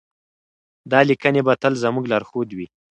دا لیکنې به تل زموږ لارښود وي.